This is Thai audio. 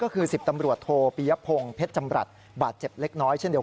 ๓คือ๑๐ตำรวจโธปียพงพรชบาทเจ็บเล็กน้อย